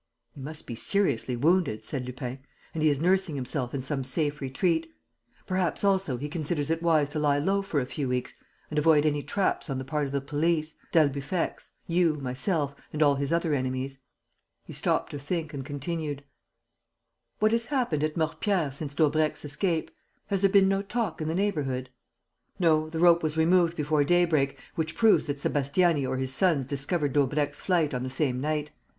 "He must be seriously wounded," said Lupin, "and he is nursing himself in some safe retreat. Perhaps, also, he considers it wise to lie low for a few weeks and avoid any traps on the part of the police, d'Albufex, you, myself and all his other enemies." He stopped to think and continued: "What has happened at Mortepierre since Daubrecq's escape? Has there been no talk in the neighbourhood?" "No, the rope was removed before daybreak, which proves that Sébastiani or his sons discovered Daubrecq's flight on the same night.